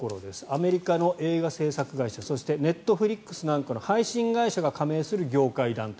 アメリカの映画制作会社そしてネットフリックスなんかの配信会社が加盟する業界団体。